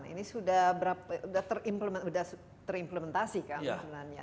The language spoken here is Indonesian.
ini sudah terimplementasi kan sebenarnya